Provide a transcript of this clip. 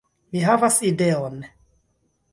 Mi havas ideon!